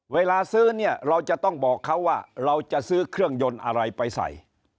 เวลาซื้อเนี่ยเราจะต้องบอกเขาว่าเราจะซื้อเครื่องยนต์อะไรไปใส่